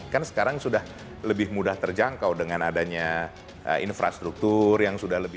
kan sekarang sudah lebih mudah terjangkau dengan adanya infrastruktur yang sudah lebih